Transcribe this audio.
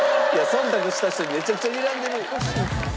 忖度した人をめちゃくちゃにらんでる。